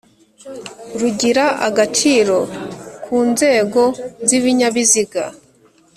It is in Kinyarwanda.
rugira agaciro kunzego zibinyabiziga